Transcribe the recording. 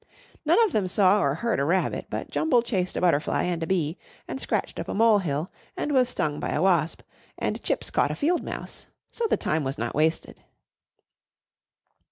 None of them saw or heard a rabbit, but Jumble chased a butterfly and a bee, and scratched up a molehill, and was stung by a wasp, and Chips caught a field mouse, so the time was not wasted.